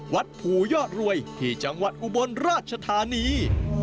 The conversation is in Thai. วัดภูยอดรวยที่จังหวัดอุบลราชธานี